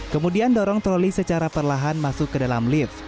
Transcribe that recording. kemudian dorong troli secara perlahan masuk ke dalam lift